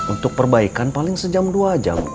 untuk perbaikan paling sejam dua jam